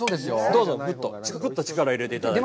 どうぞ、ぐっと力を入れていただいたら。